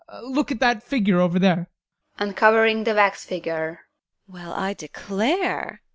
Look at that figure over there. TEKLA. [Uncovering the wax figure] Well, I declare!